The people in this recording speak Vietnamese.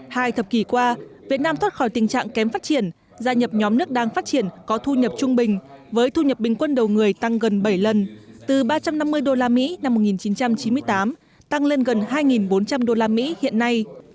hai thập kỷ qua việt nam thoát khỏi tình trạng kém phát triển gia nhập nhóm nước đang phát triển có thu nhập trung bình với thu nhập bình quân đầu người tăng gần bảy lần từ ba trăm năm mươi usd năm một nghìn chín trăm chín mươi tám tăng lên gần hai bốn trăm linh usd hiện nay